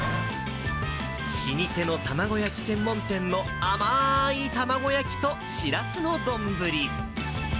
老舗の卵焼き専門店の甘ーい卵焼きとしらすの丼。